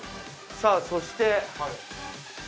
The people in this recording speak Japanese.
さあそして。